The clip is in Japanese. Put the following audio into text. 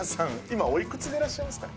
今おいくつでいらっしゃいますか？